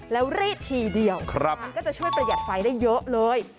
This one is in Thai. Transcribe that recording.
แล้วรีดทีเดียวมันก็จะช่วยประหยัดไฟได้เยอะเลย